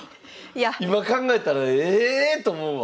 今考えたらえ！と思うわ。